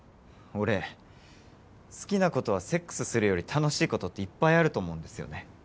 俺好きな子とはセックスするより楽しいことっていっぱいあると思うんですよね